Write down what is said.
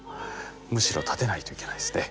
むしろ立てないといけないですね